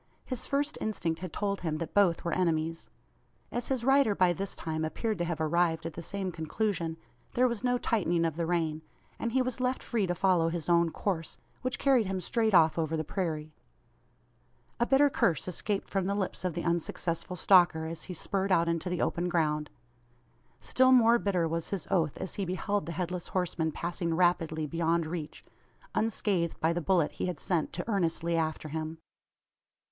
His first instinct had told him that both were enemies. As his rider by this time appeared to have arrived at the same conclusion, there was no tightening of the rein; and he was left free to follow his own course which carried him straight off over the prairie. A bitter curse escaped from the lips of the unsuccessful stalker as he spurred out into the open ground. Still more bitter was his oath, as he beheld the Headless Horseman passing rapidly beyond reach unscathed by the bullet he had sent to earnestly after him.